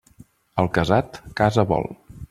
El casat, casa vol.